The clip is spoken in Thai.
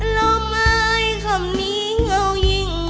ล้อไม้คำนี้เงายิ่ง